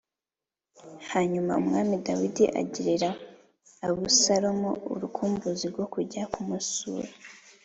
Hanyuma Umwami Dawidi agirira Abusalomu urukumbuzi rwo kujya kumusura